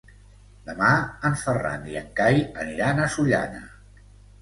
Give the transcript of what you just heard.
Demà en Ferran i en Cai aniran a Sollana.